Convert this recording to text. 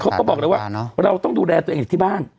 เขาก็บอกเลยว่าเราต้องดูแลตัวเองอยู่ที่บ้าน